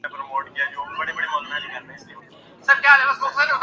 بس دو تین چیزیں دہرائے جا رہے ہیں۔